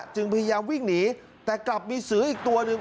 จึงพยายามวิ่งหนีแต่กลับมีเสืออีกตัวหนึ่ง